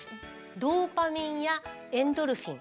ドーパミンやエンドルフィン